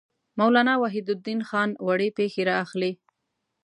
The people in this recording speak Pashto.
مولانا وحیدالدین خان وړې پېښې را اخلي.